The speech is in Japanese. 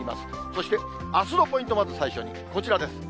そしてあすのポイント、まず最初に、こちらです。